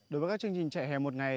đối với các chương trình trại hè một ngày